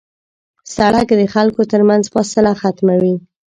سړک د خلکو تر منځ فاصله ختموي.